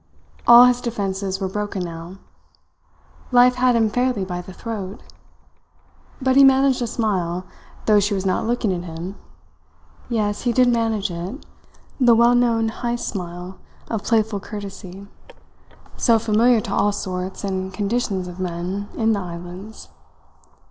All his defences were broken now. Life had him fairly by the throat. But he managed a smile, though she was not looking at him; yes, he did manage it the well known Heyst smile of playful courtesy, so familiar to all sorts and conditions of men in the islands.